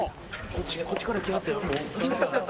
こっちから来はったよ。